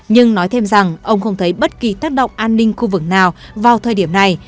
nhưng nói thêm rằng ông không thấy bất kỳ tác động an ninh khu vực nào vào thời điểm này